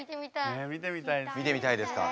見てみたいですか？